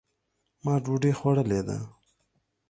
ما ډوډۍ خوړلې ده